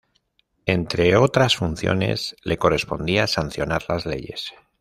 Entre otras funciones, le correspondía sancionar las leyes.